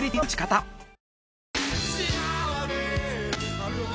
なるほど。